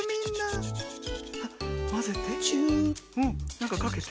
なんかかけて？